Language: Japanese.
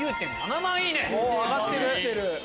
上がってる！